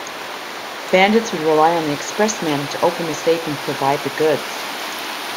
Bandits would rely on the expressman to open the safe and provide the goods.